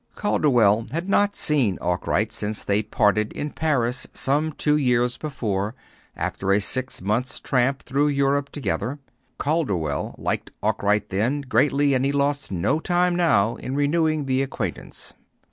Calderwell had not seen Arkwright since they parted in Paris some two years before, after a six months tramp through Europe together. Calderwell liked Arkwright then, greatly, and he lost no time now in renewing the acquaintance.